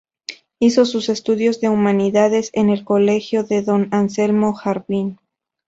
Hizo sus estudios de humanidades en el colegio de don Anselmo Harbin.